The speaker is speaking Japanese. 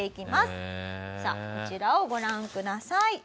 さあこちらをご覧ください。